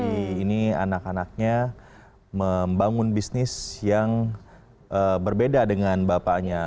jadi ini anak anaknya membangun bisnis yang berbeda dengan bapaknya